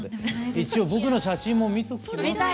一応僕の写真も見ときますか？